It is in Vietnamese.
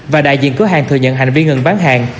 và đại diện cửa hàng thừa nhận hành vi ngừng bán hàng